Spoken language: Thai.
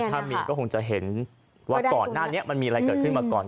ถ้ามีก็คงจะเห็นว่าก่อนหน้านี้มันมีอะไรเกิดขึ้นมาก่อน